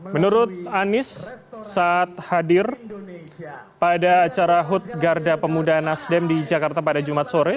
menurut anies saat hadir pada acara hut garda pemuda nasdem di jakarta pada jumat sore